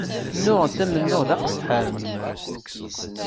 Nnuɣent amennuɣ d aqesḥan.